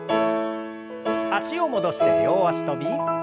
脚を戻して両脚跳び。